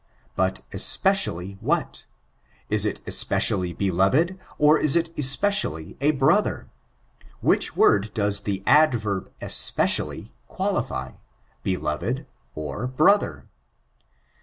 But, especially vfh^ll Is it especially beloved, or is it especially a brother 1 Which word does the adverb especially , qualify ?— beloved or brother